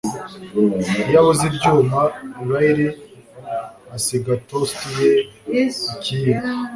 Iyo abuze ibyuma Lyle asiga toast ye ikiyiko